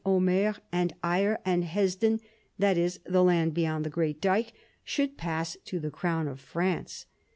Omer, and Aire, and Hesdin, that is, the land beyond the great dyke "— should pass to the crown of France.